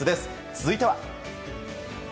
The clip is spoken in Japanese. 続いては。